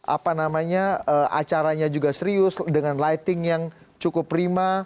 apa namanya acaranya juga serius dengan lighting yang cukup prima